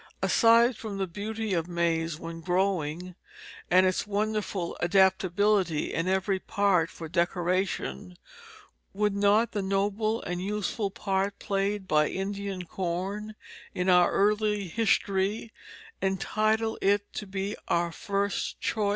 Aside from the beauty of maize when growing and its wonderful adaptability in every part for decoration, would not the noble and useful part played by Indian corn in our early history entitle it to be our first choice?